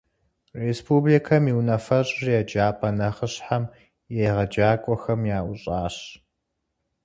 Республикэм и Унафэщӏыр еджапӏэ нэхъыщхьэм и егъэджакӏуэхэм яӏущӏащ.